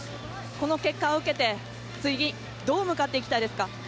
この結果を受けて次、どう向かっていきたいですか。